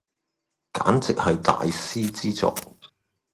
簡直係大師之作